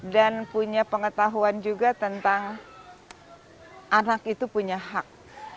dan punya pengetahuan juga tentang anak itu punya hak